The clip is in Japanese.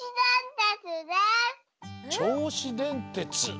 ちょうしでんてつ？